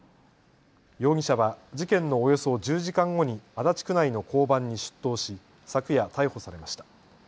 容疑者は事件のおよそ１０時間後に足立区内の交番に出頭し昨夜、逮捕されました。